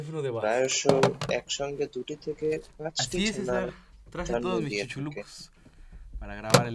প্রায়শ একসঙ্গে দুটি থেকে পাঁচটি পর্যন্ত ছানার জন্ম দিয়ে থাকে।